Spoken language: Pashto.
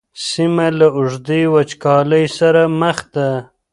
سیمه له اوږدې وچکالۍ سره مخ ده.